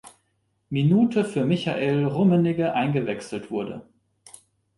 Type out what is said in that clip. Minute für Michael Rummenigge eingewechselt wurde.